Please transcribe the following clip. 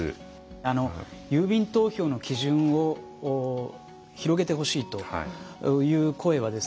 あの郵便投票の基準を広げてほしいという声はですね